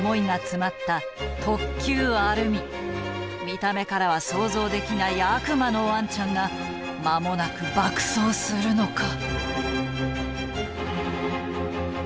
見た目からは想像できない悪魔のワンちゃんがまもなく爆走するのか？